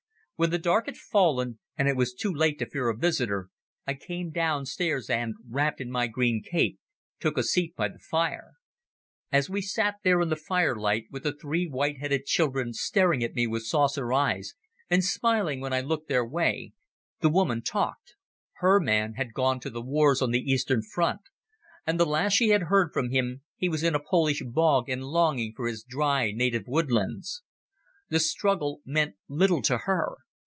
When the dark had fallen and it was too late to fear a visitor, I came downstairs and, wrapped in my green cape, took a seat by the fire. As we sat there in the firelight, with the three white headed children staring at me with saucer eyes, and smiling when I looked their way, the woman talked. Her man had gone to the wars on the Eastern front, and the last she had heard from him he was in a Polish bog and longing for his dry native woodlands. The struggle meant little to her.